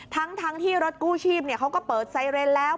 ทั้งที่รถกู้ชีพเขาก็เปิดไซเรนแล้ว